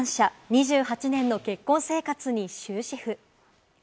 ２８年の結婚生活に終止符。